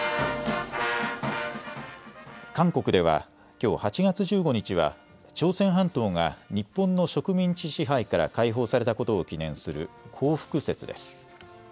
韓国では、きょう８月１５日は朝鮮半島が日本の植民地支配から解放されたことを記念する光復節です。